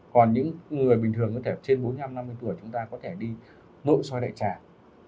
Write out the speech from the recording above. còn những người bình thường có thể trên bốn mươi năm năm mươi tuổi chúng ta có thể đi nội soi đại tràng